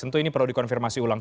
tentu ini perlu dikonfirmasi ulang